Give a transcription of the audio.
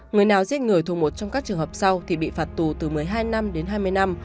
người nào giết người thuộc một trong các trường hợp sau thì bị phạt tù từ một mươi hai năm đến hai mươi năm